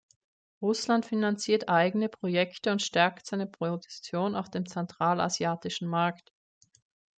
Russland finanziert eigene Projekte und stärkt seine Position auf dem zentralasiatischen Markt.